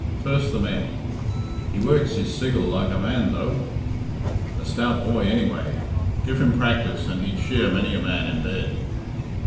First the men: "He works his siggle like a man though." "A stout boy anyway; give him practice and he'd shear many a man in bed."